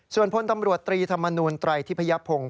ส่วนพลตำรวจตรีธรรมนูลไตรทิพยพงศ์